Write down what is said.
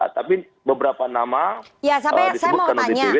tapi beberapa nama disebutkan oleh dpw termasuk nama ganjar yang cukup mayoritas